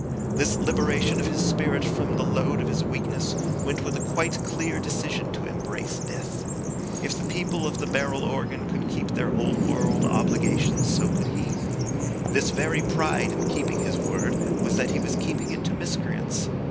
This liberation of his spirit from the load of his weakness went with a quite clear decision to embrace death. If the people of the barrel organ could keep their old world obligations, so could he. This very pride in keeping his word was that he was keeping it to miscreants.